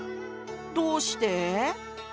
どうして？